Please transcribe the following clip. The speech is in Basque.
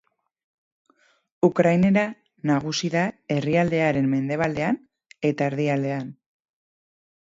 Ukrainera nagusi da herrialdearen mendebaldean eta erdialdean.